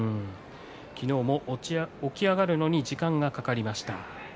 昨日、起き上がるのに時間がかかりました。